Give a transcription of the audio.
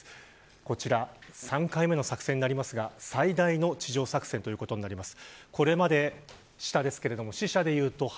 こちら３回目の作戦になりますが最大の地上作戦ということです。